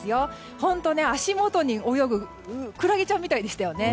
本当、足元に泳ぐクラゲちゃんみたいでしたよね。